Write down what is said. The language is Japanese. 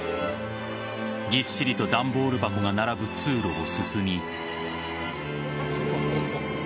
ぎっしりと段ボール箱が並ぶ通路を進み。